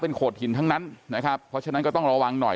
โขดหินทั้งนั้นนะครับเพราะฉะนั้นก็ต้องระวังหน่อย